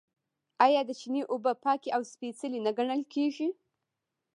آیا د چینې اوبه پاکې او سپیڅلې نه ګڼل کیږي؟